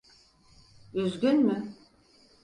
Üzgün mü?